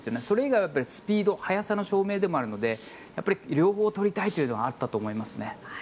それ以外はスピード速さの証明でもあるので両方取りたいというのはあったと思いますね。